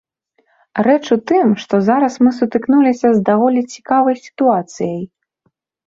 Рэч у тым, што зараз мы сутыкнуліся з даволі цікавай сітуацыяй.